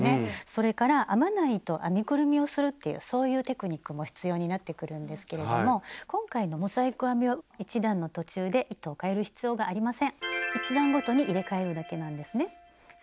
それから編まない糸を編みくるみをするっていうそういうテクニックも必要になってくるんですけれども今回のモザイク編みは１段の途中で糸をかえる必要がありません。